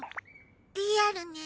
リアルね。